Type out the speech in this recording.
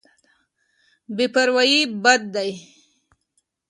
بې پروايي بد دی.